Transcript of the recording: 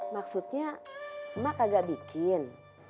maksudnya mak kagak bikin